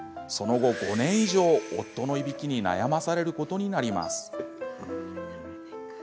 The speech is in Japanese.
その後５年以上、夫のいびきに悩まされることになります。